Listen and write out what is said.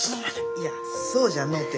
いやそうじゃのうて。